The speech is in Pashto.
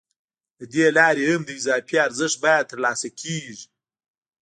له دې لارې هم د اضافي ارزښت بیه ترلاسه کېږي